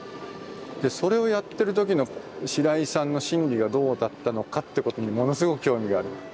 でそれをやってる時の白井さんの心理がどうだったのかってことにものすごく興味がある。